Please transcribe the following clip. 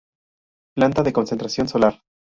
Planta de Concentración Solar.